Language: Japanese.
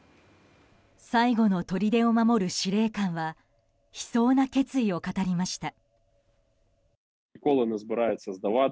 最後のとりでを守る司令官は悲壮な決意を語りました。